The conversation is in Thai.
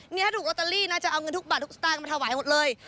เนี่ยถ้าถูกลอตเตอรี่นะจะเอาเงินทุกบาททุกสตางค์มาถวายหมดเลย